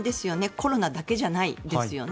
コロナだけじゃないですよね。